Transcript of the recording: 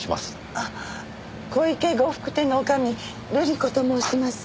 あっ小池呉服店の女将瑠璃子と申します。